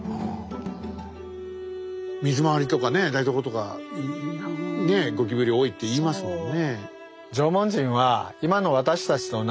水回りとかね台所とかねゴキブリ多いって言いますもんね。